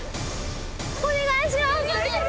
お願いします！